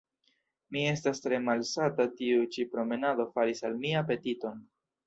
Mi estas tre malsata; tiu ĉi promenado faris al mi apetiton.